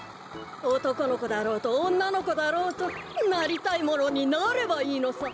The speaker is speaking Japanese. おとこのこだろうとおんなのこだろうとなりたいものになればいいのさ。